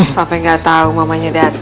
sampai gak tau mamanya datang